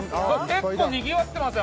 結構にぎわってます